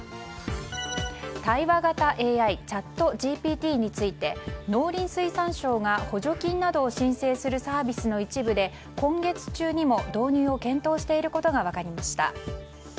対話型ＡＩチャットＧＰＴについて農林水産省が、補助金などを申請するサービスの一部で今月中にも導入を検討していることが分かりました。